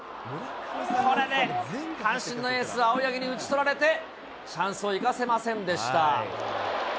これね、阪神のエース、青柳に打ち取られて、チャンスを生かせませんでした。